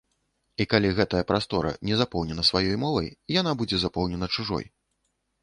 І калі гэтая прастора не запоўнена сваёй мовай, яна будзе запоўнена чужой.